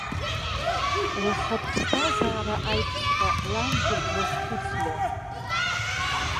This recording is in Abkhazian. Лхатә ԥсҭазаара аиԥшҵәҟьа лангьы длызхәыцлон.